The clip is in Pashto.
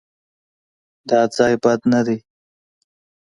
_دا ځای بد نه دی.